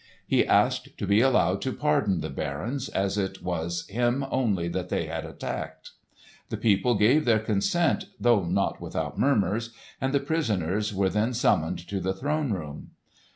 He asked to be allowed to pardon the barons, as it was him only that they had attacked. The people gave their consent, though not without murmurs, and the prisoners were then summoned to the throne room.